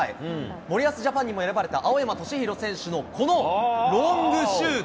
森保ジャパンにも選ばれた青山敏弘選手のこのロングシュート。